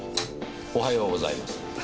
おはようございます。